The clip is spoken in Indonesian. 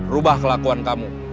rubah kelakuan kamu